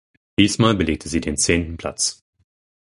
Diesmal belegte sie den zehnten Platz.